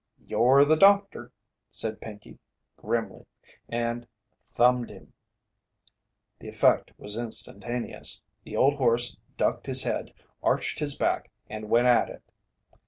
"You're the doctor," said Pinkey, grimly, and "thumbed" him. The effect was instantaneous. The old horse ducked his head, arched his back, and went at it.